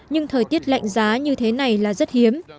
nhưng thời tiết lạnh giá như thế này là rất hiếm